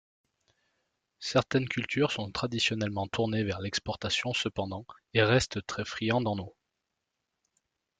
Certaines cultures sont traditionnellement tournées vers l’exportation cependant, et restent très friandes en eau.